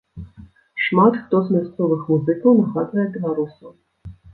Шмат хто з мясцовых музыкаў нагадвае беларусаў.